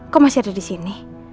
kok masih ada disini